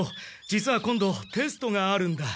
実は今度テストがあるんだ。